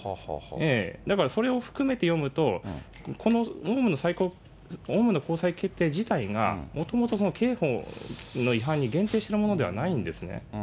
だからそれを含めて読むと、このオウムの高裁決定自体が、もともとその刑法の違反に限定してるものではないんですね。